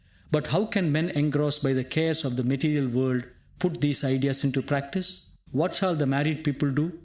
But how can men engrossed by the cares of the material world put these ideas into practice? What shall the married people do?